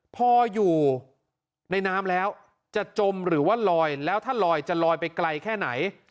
พออยู่ในน้ำแล้วจะจมหรือว่าลอยแล้วถ้าลอยจะลอยไปไกลแค่ไหน